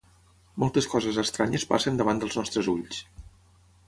Moltes coses estranyes passen davant dels nostres ulls.